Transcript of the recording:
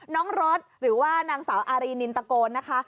น้องรถหรือว่านางสาวอารีนินตะโกนนะคะ